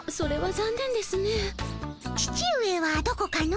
父上はどこかの？